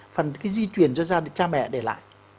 phần cái di chuyển cho ra để cha mẹ để lại